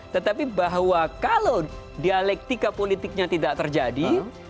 tetapi bahwa kalau dialektika politiknya tidak terjadi